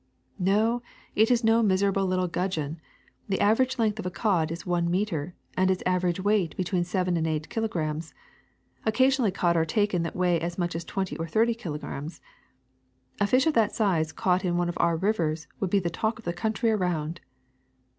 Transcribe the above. '' *'No, it is no miserable little gudgeon. The aver age length of a cod is one meter, and its average weight between seven and eight kilograms. Occa sionally cod are taken that weigh as much as twenty or thirty kilograms. A fish of that size caught in one of our rivers would be the talk of all the country around.